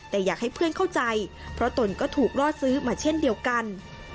แต่อยากให้เพื่อนเข้าใจเพราะตนก็ถูกล่อซื้อมาเช่นเดียวกัน